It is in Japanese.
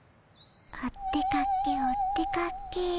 「おっでかけおっでかけ」